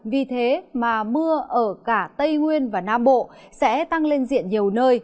vì thế mà mưa ở cả tây nguyên và nam bộ sẽ tăng lên diện nhiều nơi